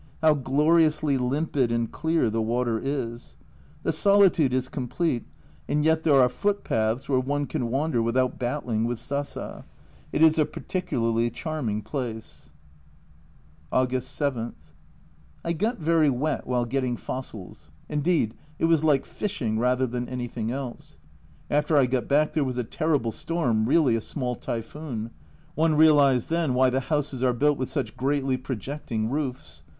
How gloriously limpid and clear the water is. The solitude is com plete, and yet there are footpaths where one can wander without battling with sasa. It is a particularly charming place. 2O4 A Journal from Japan August 7. I got very wet while getting fossils, indeed, it was like fishing rather than anything else. After I got back there was a terrible storm, really a small typhoon ; one realised then why the houses are built with such greatly projecting roofs.